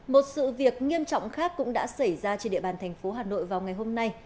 một sự việc nghiêm trọng khác cũng đã xảy ra trên địa bàn thành phố hà nội vào ngày hôm nay